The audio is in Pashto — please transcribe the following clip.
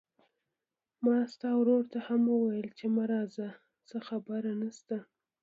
ما ستا ورور ته هم وويل چې ما راځه، څه خبره نشته.